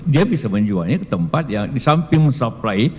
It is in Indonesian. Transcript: dia bisa menjualnya ke tempat yang disamping mensupply